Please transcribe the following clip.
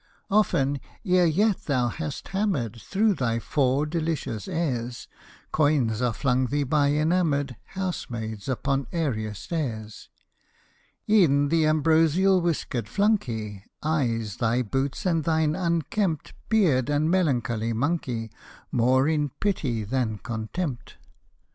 Often, ere yet thou hast hammer'd Through thy four delicious airs, Coins are flung thee by enamour'd Housemaids upon area stairs: E'en the ambrosial whisker'd flunkey Eyes thy boots and thine unkempt Beard and melancholy monkey More in pity than contempt.